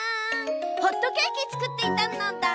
ホットケーキつくっていたのだ。